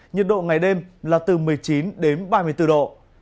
nhiệt độ ngày đêm là từ một mươi chín đến ba mươi bốn độ